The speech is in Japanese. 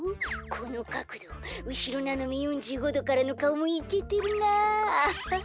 このかくどうしろななめ４５どからのかおもいけてるなあアハハ。